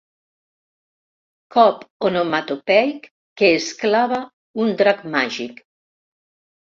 Cop onomatopeic que es clava un drac màgic.